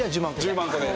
１０万個で。